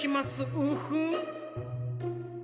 ウフン。